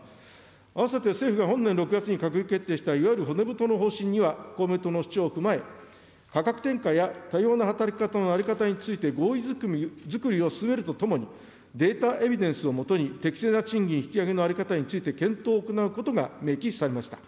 併せて政府が本年６月に閣議決定した、いわゆる骨太の方針には、公明党の主張を踏まえ、価格転嫁や多様な働き方の在り方について、合意づくりを進めるとともに、データ・エビデンスを基に、適切な賃金引き上げの在り方について検討を行うことが明記されました。